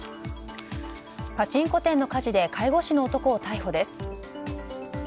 パチンコ店の火事で介護士の男を逮捕です。